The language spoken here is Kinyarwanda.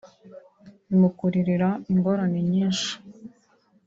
bimukururira ingorane nyinshi